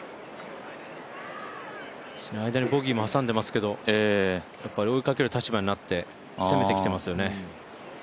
間にボギーも挟んでいますけど、やっぱり追いかける立場になって攻めてきてますよね。